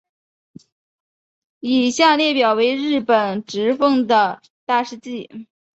以下列表为日本职棒的大事纪。